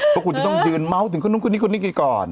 เพราะคุณจะต้องยืนเมา๊วถึงก็ต้องขึ้นที่คนนี้กันก่อน